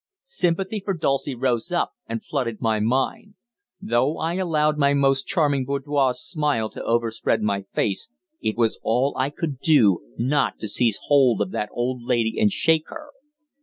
Sympathy for Dulcie rose up and flooded my mind. Though I allowed my most charming "boudoir" smile to overspread my face, it was all I could do not to seize hold of that old lady and shake her.